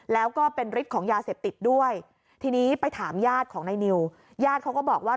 แล้วก็เป็นฤทธิ์ของยาเสพติดด้วยทีนี้ไปถามญาติของนายนิวญาติเขาก็บอกว่า